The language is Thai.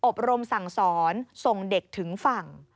อบรมสั่งสอนส่งเด็กถึงฝั่ง